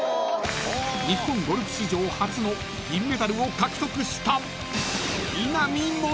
［日本ゴルフ史上初の銀メダルを獲得した］